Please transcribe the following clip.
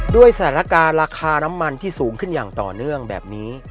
ด้วยสถานการณ์ราคาน้ำมันที่สูงขึ้นอย่างต่อเนื่องแบบนี้